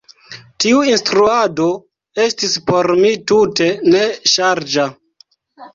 Tiu instruado estis por mi tute ne ŝarĝa.